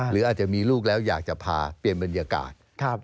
หรืออาจจะมีลูกแล้วอยากจะพาเปลี่ยนบรรยากาศ